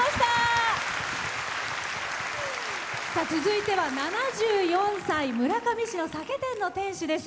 続いては７４歳村上市の酒店の店主です。